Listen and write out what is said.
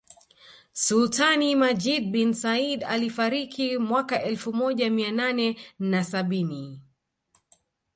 Sultani Majid bin Said alifariki mwaka elfu moja Mia nane na sabini